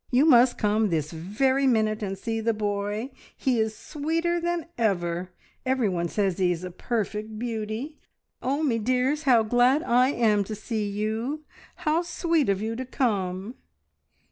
You must come this very minute and see the boy. He is sweeter than ever. Everyone says he is a perfect beauty. Oh, me dears, how glad I am to see you! How sweet of you to come!"